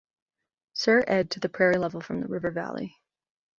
Sir ed to the prairie level from the river valley.